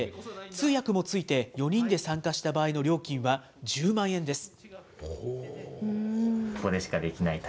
通訳もついて４人で参加した場合の料金は１０万円です。